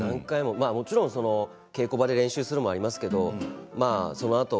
稽古場で練習するものもありますけれども、そのあと